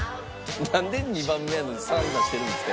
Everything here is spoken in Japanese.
「なんで２番目やのに３出してるんですか？」